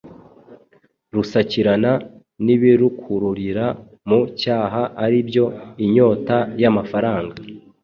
rusakirana n’ibirukururira mu cyaha ari byo: Inyota y’amafaranga,